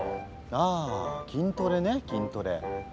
あ筋トレね筋トレ。